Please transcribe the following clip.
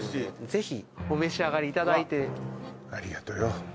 ぜひお召し上がりいただいてありがとよ